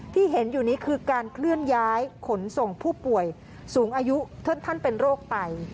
ที่เห็นอยู่นี้คือการเคลื่อนย้ายขนส่งผู้ป่วยสูงอายุท่านเป็นโรคไต